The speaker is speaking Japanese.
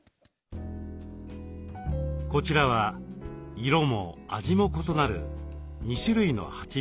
こちらは色も味も異なる２種類のはちみつです。